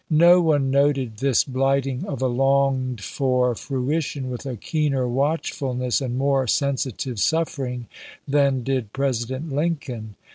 No one noted this blighting of a longed for frui tion with a keener watchfulness and more sensitive suffering than did President Lincoln.